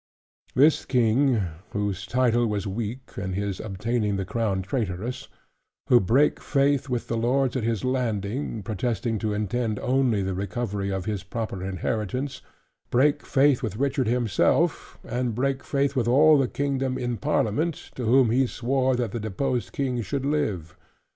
This King, whose title was weak, and his obtaining the Crown traitorous; who brake faith with the lords at his landing, protesting to intend only the recovery of his proper inheritance, brake faith with Richard himself; and brake faith with all the kingdom in Parliament, to whom he swore that the deposed King should live.